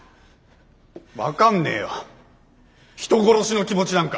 分かんねえよ人殺しの気持ちなんか。